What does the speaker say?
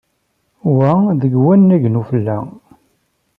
Wa deg wannag n ufella.